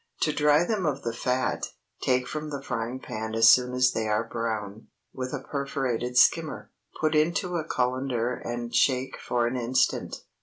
To dry them of the fat, take from the frying pan as soon as they are brown, with a perforated skimmer, put into a cullender and shake for an instant.